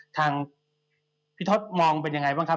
ทางพี่ท็อปมองเป็นยังไงบ้างครับ